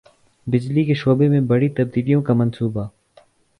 بجلی کے شعبے میں بڑی تبدیلوں کا منصوبہ